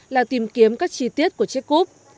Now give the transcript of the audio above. là tìm kiếm các chi tiết của chiếc cúp